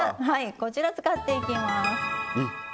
こちらを使っていきます。